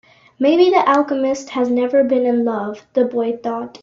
Maybe the alchemist has never been in love, the boy thought.